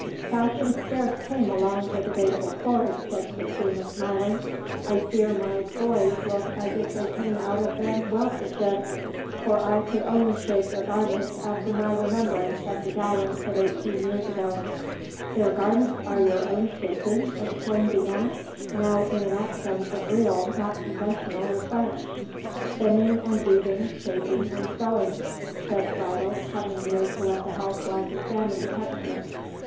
"Fashion scarce came above the Debateable Ford," said Christina, smiling. "I fear my boys look as if they came out of the Weltgeschichte, for I could only shape their garments after my remembrance of the gallants of eighteen years ago." "Their garments are your own shaping!" exclaimed the aunt, now in an accent of real, not conventional respect. "Spinning and weaving, shaping and sewing," said Friedel, coming near to let the housewife examine the texture.